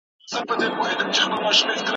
غلامي مه کوئ.